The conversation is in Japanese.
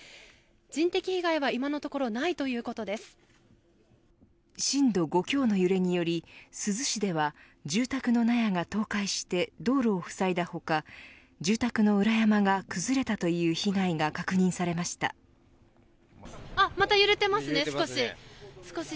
人的被害は今のところ震度５強の揺れにより珠洲市では住宅の納屋が倒壊して道路をふさいだ他住宅の裏山が崩れたという被害がまた揺れていますね、少し。